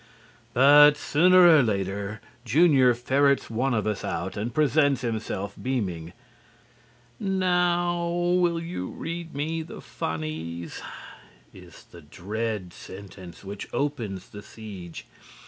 But sooner or later Junior ferrets one of us out and presents himself beaming. "Now will you read me the 'funnies'?" is the dread sentence which opens the siege.